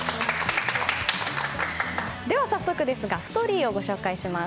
では早速ですがストーリーをご紹介します。